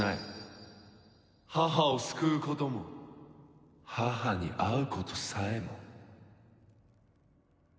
母を救うことも母に会うことさえも。